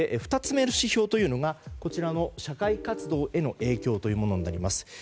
２つ目の指標というのが社会活動への影響というものになります。